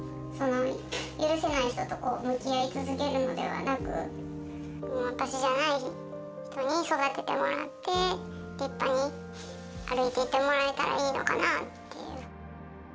許せない人と向き合い続けるのではなく、私じゃない人に育ててもらって、立派に歩いていってもらえたらいいのかなっていう。